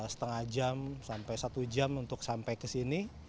setengah jam sampai satu jam untuk sampai ke sini